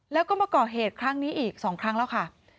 แล้วก็มาก่อเหตุครั้งนี้อีก๒ครั้งแล้วค่ะ